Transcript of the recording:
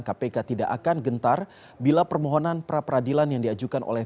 kpk tidak akan gentar bila permohonan pra peradilan yang diajukan oleh